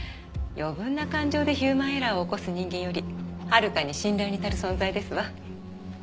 余分な感情でヒューマンエラーを起こす人間よりはるかに信頼に足る存在ですわ。